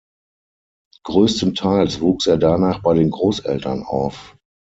Größtenteils wuchs er danach bei den Großeltern auf.